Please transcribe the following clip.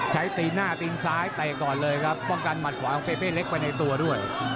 ตีหน้าตีนซ้ายเตะก่อนเลยครับป้องกันหมัดขวาของเปเป้เล็กไปในตัวด้วย